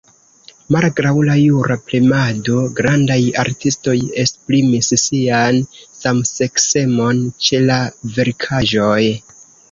Malgraŭ la jura premado, grandaj artistoj esprimis sian samseksemon ĉe la verkaĵoj.